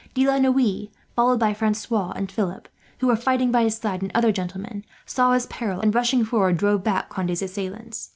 De la Noue, followed by Francois and Philip, who were fighting by his side, and other gentlemen, saw his peril and, rushing forward, drove back Conde's assailants.